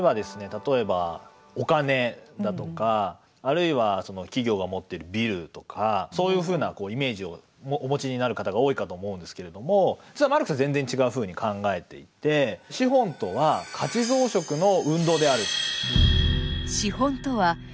例えばお金だとかあるいは企業が持ってるビルとかそういうふうなイメージをお持ちになる方が多いかと思うんですけれども実はマルクスは全然違うふうに考えていて資本とは価値増殖の運動である。